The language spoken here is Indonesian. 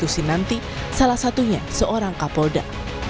susinanti salah satunya seorang kapolda